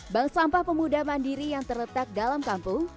bank sampah pemuda mandiri yang terletak dalam kampung